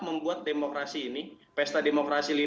membuat demokrasi ini pesta demokrasi